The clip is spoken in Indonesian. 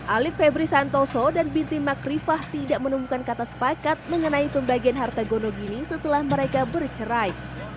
alif febri santoso dan binti makrifah tidak menemukan kata sepakat mengenai pembagian harta gonogini setelah mereka bercerai